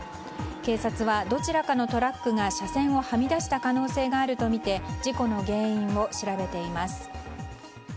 警察はどちらかのトラックが車線をはみ出した可能性があるとみて事故の原因を調べています。